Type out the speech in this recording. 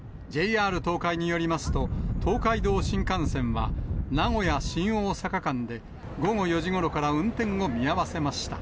ＪＲ東海によりますと、東海道新幹線は、名古屋・新大阪間で、午後４時ごろから運転を見合わせました。